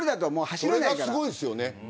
それがすごいですよね。